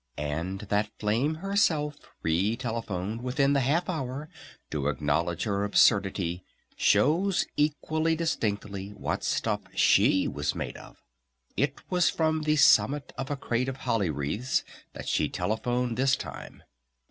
And that Flame herself re telephoned within the half hour to acknowledge her absurdity shows equally distinctly what stuff she was made of! It was from the summit of a crate of holly wreaths that she telephoned this time.